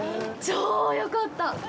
超よかった！